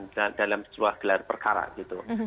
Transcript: dan dalam sebuah gelar perkara gitu